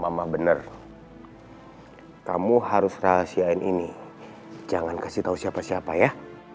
mama bener kamu harus rahasiain ini jangan kasih tahu siapa siapa ya